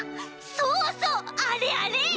そうそうあれあれ！